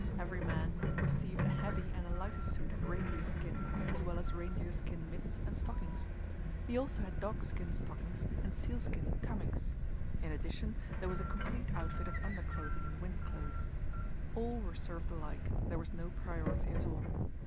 Every man received a heavy and a lighter suit of reindeer skin, as well as reindeer skin mits and stockings. He also had dogskin stockings and sealskin kamiks. In addition, there was a complete outfit of underclothing and wind clothes. All were served alike; there was no priority at all.